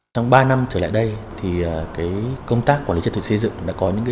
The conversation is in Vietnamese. trong ba năm trở lại đây thì công tác quản lý trật tự xây dựng đã có những cái